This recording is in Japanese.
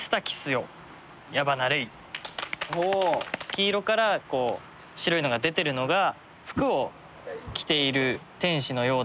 黄色から白いのが出てるのが服を着ている天使のようだなと思いまして。